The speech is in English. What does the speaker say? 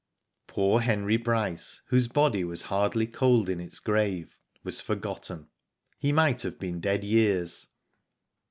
Poor Henry Bryce, whose body was hardly cold in its grave, was forgotten. He might have been dead years.